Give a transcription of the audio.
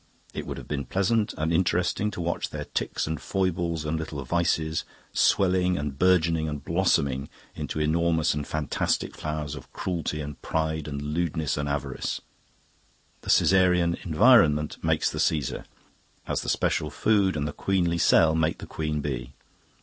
It would have been pleasant and interesting to watch their tics and foibles and little vices swelling and burgeoning and blossoming into enormous and fantastic flowers of cruelty and pride and lewdness and avarice. The Caesarean environment makes the Caesar, as the special food and the queenly cell make the queen bee.